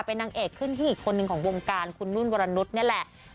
เป็นนางเอกขึ้นที่อีกคนนึงของวงการคุณนุ่นวรนุษย์นี่แหละ